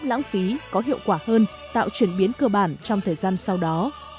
lãng phí có hiệu quả hơn tạo chuyển biến cơ bản trong thời gian sau đó